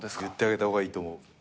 言ってあげた方がいいと思う。